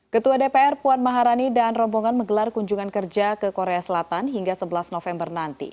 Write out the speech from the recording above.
ketua dpr puan maharani dan rombongan menggelar kunjungan kerja ke korea selatan hingga sebelas november nanti